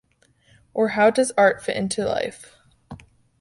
Or how does art fit into life?